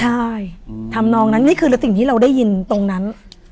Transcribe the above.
ใช่ทำนองนั้นนี่คือสิ่งที่เราได้ยินตรงนั้น